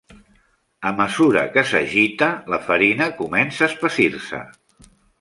A mesura que s'agita, la farina comença a espessir-se.